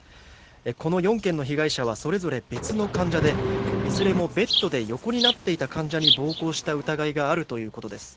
この４件の被害者はそれぞれ別の患者でいずれもベッドで横になっていた患者に暴行した疑いがあるということです。